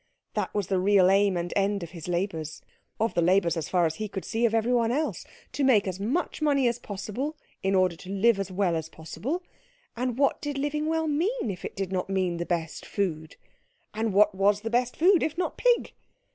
That was the real aim and end of his labours, of the labours, as far as he could see, of everyone else to make as much money as possible in order to live as well as possible; and what did living well mean if it did not mean the best food? And what was the best food if not pig?